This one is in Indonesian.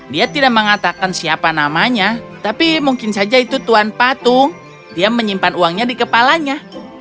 dia tidak mengatakan siapa namanya tapi mungkin saja itu tuan patung dia menyimpan uangnya di kepalanya